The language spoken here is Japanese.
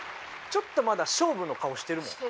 ちょっとまだ勝負の顔してるもん。